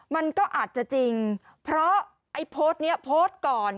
มันก็อาจจะจริงเพราะไอ้โพสต์นี้โพสต์ก่อน